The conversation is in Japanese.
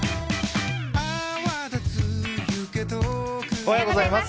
おはようございます。